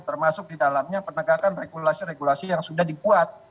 termasuk di dalamnya penegakan regulasi regulasi yang sudah dibuat